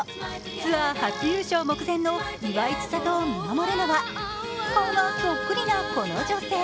ツアー初優勝目前の岩井千怜を見守るのは顔がそっくりな、この女性。